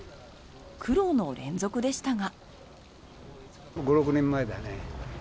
苦労の連続でしたが。